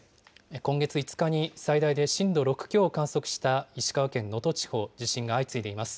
今月５日に最大で震度６強を観測した石川県能登地方、地震が相次いでいます。